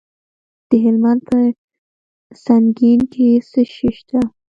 د هلمند په سنګین کې څه شی شته؟